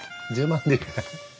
１０万で。